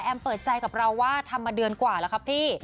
เปิดใจกับเราว่าทำมาเดือนกว่าแล้วครับพี่